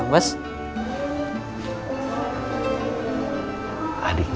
nunggu aja kan